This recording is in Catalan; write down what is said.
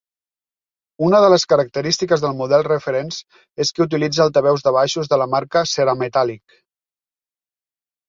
Una de les característiques del model Reference és que utilitza altaveus de baixos de la marca Cerametallic.